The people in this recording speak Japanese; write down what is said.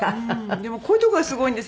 でもこういうとこがすごいんです。